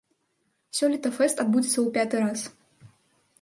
Сёлета фэст адбудзецца ў пяты раз.